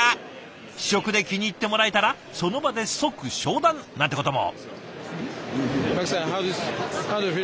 試食で気に入ってもらえたらその場で即商談なんてことも。